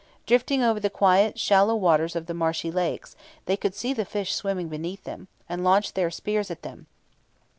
Drifting over the quiet shallow waters of the marshy lakes, they could see the fish swimming beneath them, and launch their spears at them.